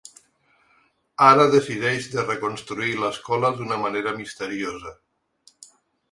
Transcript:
Ara decideix de reconstruir l’escola d’una manera misteriosa.